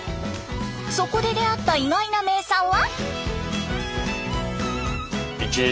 そこで出会った意外な名産は？